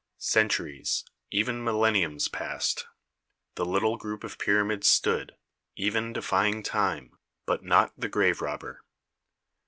Centuries, even millenniums passed. The little group of pyramids stood, even defying time, but THE PYRAMID OF KHUFU not the grave robber.